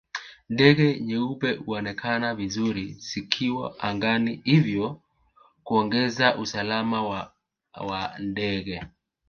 Ndege nyeupe huonekana vizuri zikiwa angani hivyo kuongeza usalama wa ndege